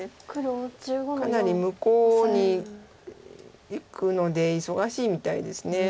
かなり向こうに行くので忙しいみたいですね。